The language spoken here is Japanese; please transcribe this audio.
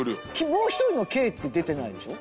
もう１人の「Ｋ」って出てないでしょ？